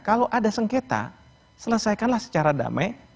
kalau ada sengketa selesaikanlah secara damai